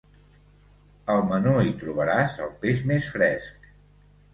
Al menú hi trobaràs el peix més fresc.